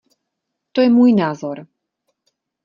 To je můj názor.